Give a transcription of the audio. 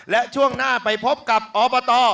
และช่วงหน้าไปพบกับอบต